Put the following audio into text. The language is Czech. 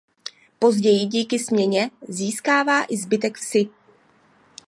Později díky směně získává i zbytek vsi.